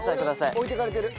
俺置いてかれてる。